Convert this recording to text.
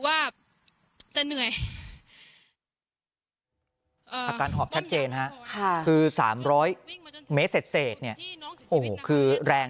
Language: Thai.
ว่าจะเหนื่อยอาการหอบชัดเจนฮะคือ๓๐๐เมตรเศษเนี่ยโอ้โหคือแรง